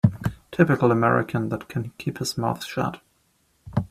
Typical American that can keep his mouth shut.